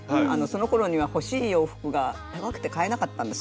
そのころには欲しい洋服が高くて買えなかったんですよ。